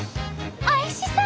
おいしそう！